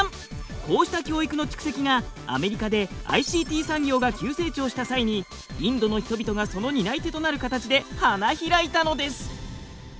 こうした教育の蓄積がアメリカでＩＣＴ産業が急成長した際にインドの人々がその担い手となる形で花開いたのです。